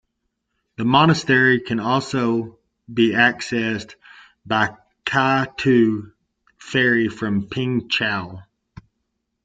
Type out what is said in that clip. The monastery can also be accessed by kai-to ferry from Peng Chau.